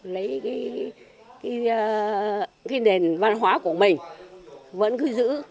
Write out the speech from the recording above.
lấy cái nền văn hóa của mình vẫn cứ giữ